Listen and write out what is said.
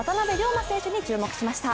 磨選手に注目しました。